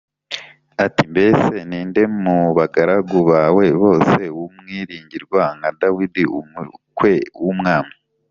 ati “Mbese ni nde mu bagaragu bawe bose w’umwiringirwa nka Dawidi umukwe w’umwami